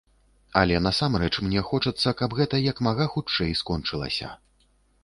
Але насамрэч мне хочацца, каб гэта як мага хутчэй скончылася.